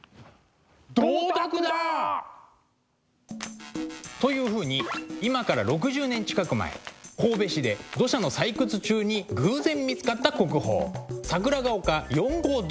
銅鐸だ！というふうに今から６０年近く前神戸市で土砂の採掘中に偶然見つかった国宝「桜ヶ丘４号銅鐸」です。